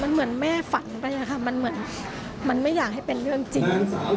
มันเหมือนแม่ฝันไปอะคะมันไม่อยากให้เป็นเรื่องจริง